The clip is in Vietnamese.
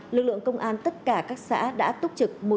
lực lượng công an tất cả các xã đã túc trực một trăm linh quân số